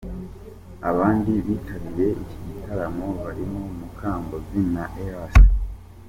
Abandi bitabiriye iki gitaramo barimo Mukombozi na Ellys.